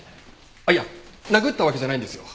あっいや殴ったわけじゃないんですよ。